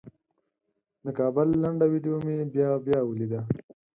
د کابل لنډه ویډیو مې بیا بیا ولیده.